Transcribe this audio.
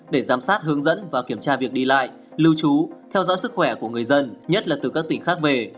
để giám sát hướng dẫn và kiểm tra việc đi lại lưu trú theo dõi sức khỏe của người dân nhất là từ các tỉnh khác về